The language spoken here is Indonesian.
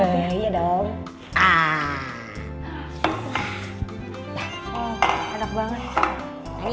oh enak banget